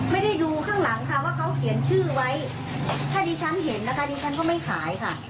ไม่ได้ดูข้างหลังค่ะว่าเขาเขียนชื่อไว้ถ้าดิฉันเห็นนะคะดิฉันก็ไม่ขายค่ะ